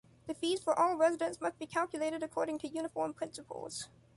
The fees for all residents must be calculated according to uniform principles.